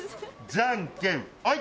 じゃんけんポイ！